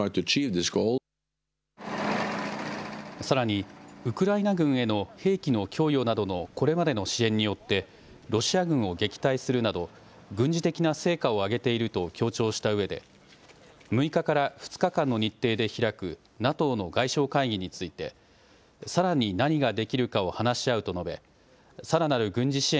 さらにウクライナ軍への兵器の供与などのこれまでの支援によってロシア軍を撃退するなど軍事的な成果を上げていると強調したうえで６日から２日間の日程で開くＮＡＴＯの外相会議についてさらに何ができるかを話し合うと述べ、